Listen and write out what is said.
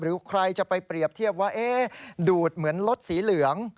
ใครจะไปเปรียบเทียบว่าดูดเหมือนรถสีเหลือง